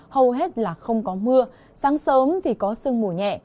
hầu hết là không có mưa sáng sớm thì có sương mù nhẹ